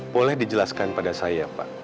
boleh dijelaskan pada saya pak